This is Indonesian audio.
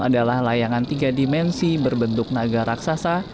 adalah layangan tiga dimensi berbentuk naga raksasa